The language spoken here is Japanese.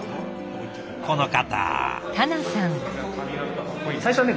この方。